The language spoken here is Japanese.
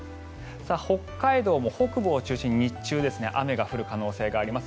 北海道も北部を中心に日中、雨が降る可能性があります。